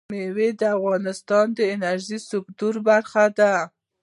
مېوې د افغانستان د انرژۍ سکتور برخه ده.